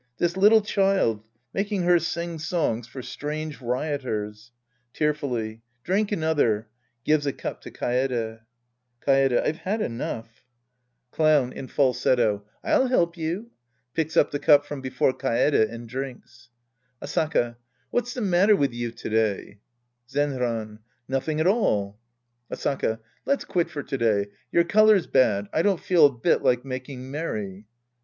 This little child. Making her sing songs for strange rioters — {Tearfully.) Drink another, {Gives a cup to Kaede.) ^ Kaede. I've had enough. 100 The Priest and His Disciples Act III Clown {in falsetto). I'll help you. {Picks up the cup from before Kaede and drinks!) Asaka. What's the matter with you to day ? Zcnran. Nothing at all. Asaka. Let's quit for to day. Your color's bad. I don't feel a bit like making merry.